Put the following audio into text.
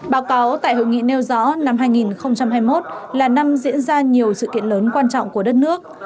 báo cáo tại hội nghị nêu rõ năm hai nghìn hai mươi một là năm diễn ra nhiều sự kiện lớn quan trọng của đất nước